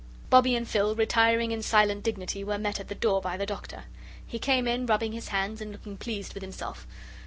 Bobbie and Phil, retiring in silent dignity, were met at the door by the Doctor. He came in rubbing his hands and looking pleased with himself.